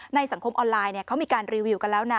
สังคมออนไลน์เขามีการรีวิวกันแล้วนะ